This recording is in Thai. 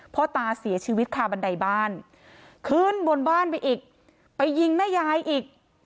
พ่อตาเสียชีวิตคาบันไดบ้านขึ้นบนบ้านไปอีกไปยิงแม่ยายอีก